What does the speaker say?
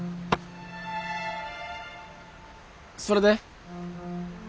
それで？